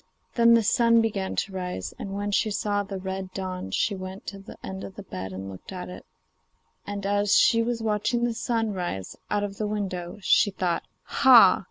Then the sun began to rise, and when she saw the red dawn she went to the end of the bed and looked at it, and as she was watching the sun rise, out of the window, she thought, 'Ha!